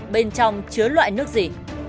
bên trong chứa loại nước gì